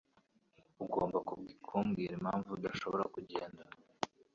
Ugomba kubwira impamvu udashobora kugenda